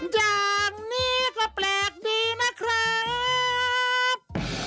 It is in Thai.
อย่างนี้ก็แปลกดีนะครับ